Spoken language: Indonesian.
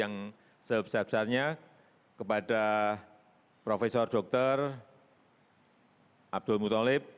yang sebesar besarnya kepada profesor dr abdul muttalib